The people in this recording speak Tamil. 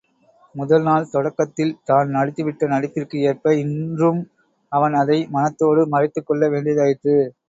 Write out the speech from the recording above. முதல் நாள் தொடக்கத்தில் தான் நடித்துவிட்ட நடிப்பிற்கு ஏற்ப, இன்றும் அவன் அதை மனத்தோடு மறைத்துக்கொள்ள வேண்டியதாயிற்று.